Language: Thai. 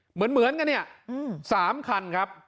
เหมือนกันเนี่ย๓คันครับ